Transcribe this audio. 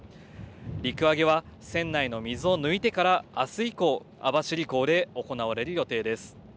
陸揚げは船内の水を抜いてから、あす以降、網走港で行われる予定です。